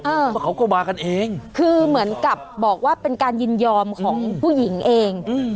เพราะเขาก็มากันเองคือเหมือนกับบอกว่าเป็นการยินยอมของผู้หญิงเองอืม